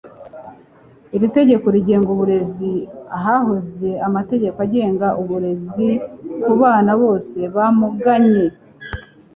iri tegeko ryerekeye uburezi ahahoze amategeko agenga uburezi ku bana bose bamuganye